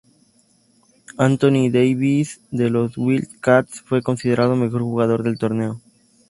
Anthony Davis, de los Wildcats, fue considerado Mejor Jugador del Torneo.